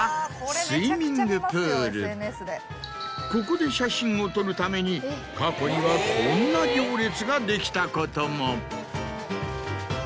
ここで写真を撮るために過去にはこんな行列ができたことも。